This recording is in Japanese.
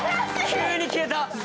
急に消えた。